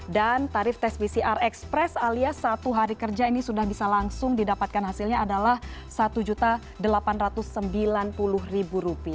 dan tarif tes pcr ekspres alias satu hari kerja ini sudah bisa langsung didapatkan hasilnya adalah rp satu delapan ratus sembilan puluh